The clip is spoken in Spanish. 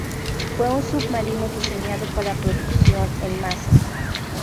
Fue un submarino diseñado para producción en masa.